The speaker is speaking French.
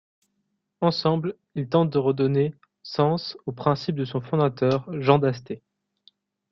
Ensemble, ils tentent de redonner sens aux principes de son fondateur Jean Dasté.